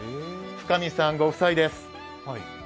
深見さん御夫婦です。